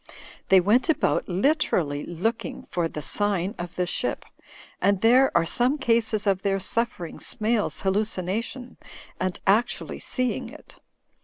They went about literally looking for 'The Sign of the Ship/ and there are some cases of their suffering SmaiVs Hallucination and actually seeing it.